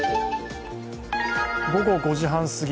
午後５時半すぎ